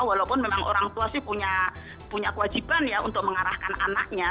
walaupun memang orang tua punya kewajiban untuk mengarahkan anaknya